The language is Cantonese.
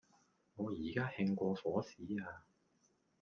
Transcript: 我而家興過火屎呀